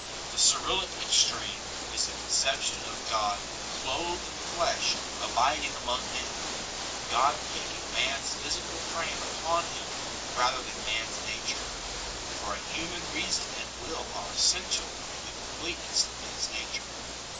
The Cyrillic extreme is the conception of God clothed in flesh abiding among men; God taking man s physical frame upon Him rather than man s nature ; for a human reason and will are essential to the completeness of man s nature.